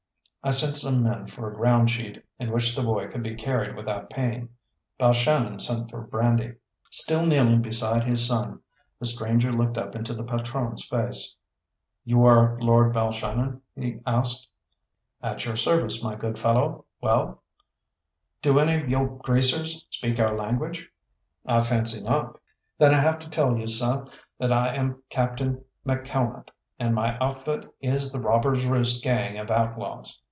I sent some men for a ground sheet in which the boy could be carried without pain. Balshannon sent for brandy. Still kneeling beside his son, the stranger looked up into the patrone's face. "You are Lord Balshannon?" he asked. "At your service, my good fellow well?" "Do any of yo' greasers speak our language?" "I fancy not." "Then I have to tell you, seh, that I am Captain McCalmont, and my outfit is the Robbers' Roost gang of outlaws."